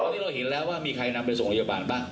ตอนนี้เราเห็นแล้วว่ามีใครนำไปส่งโรงพยาบาลบ้าง